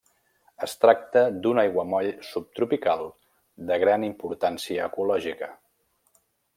Es tracta d'un aiguamoll subtropical de gran importància ecològica.